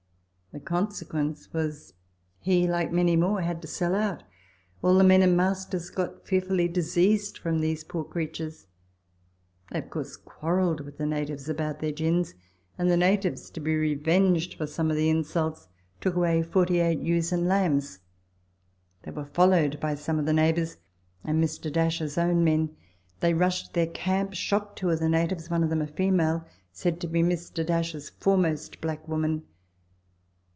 The consequence was, he, like many more, had to sell out. All the men and masters got fearfully diseased from these poor creatures ; they, of course, quarrelled with the natives about their gins, and the natives, to be revenged for some of the insults, took away 48 ewes and lambs they were followed by some of the neighbours and Mr. 's own men. They rushed their camp, shot two of the natives, one of them a female, said to be Mr. 's foremost black woman.